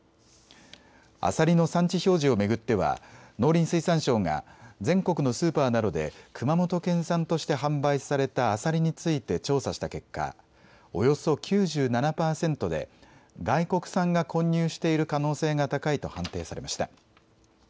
アサリの産地表示を巡っては農林水産省が全国のスーパーなどで熊本県産として販売されたアサリについて調査した結果、およそ９７％で外国産が混入している可能性が高いと判定されました。